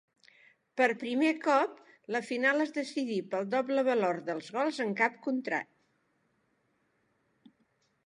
Per primer cop la final es decidí pel doble valor dels gols en camp contrari.